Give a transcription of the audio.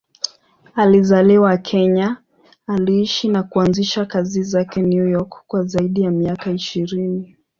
Alizaliwa Kenya, aliishi na kuanzisha kazi zake New York kwa zaidi ya miaka ishirini.